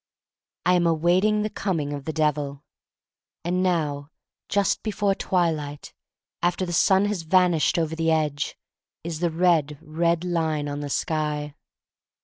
I am awaiting the coming of the Devil. And now, just before twilight, after the sun has vanished over the edge, is the red, red line on the sky.